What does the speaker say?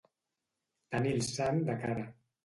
Tenir el sant de cara.